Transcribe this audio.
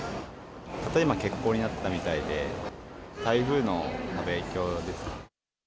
たった今欠航になったみたいで、台風の影響ですね。